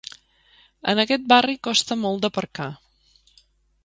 En aquest barri costa molt d'aparcar.